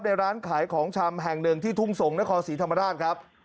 ร้านขายของชำแห่งหนึ่งที่ทุ่งสงศ์นครศรีธรรมราชครับ